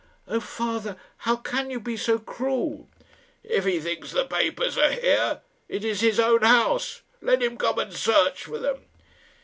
"Oh, father! how can you be so cruel?" "If he thinks the papers are here, it is his own house; let him come and search for them."